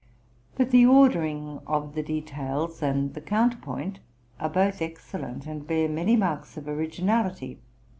But the ordering of the details and the counterpoint are both excellent, and bear many marks of originality.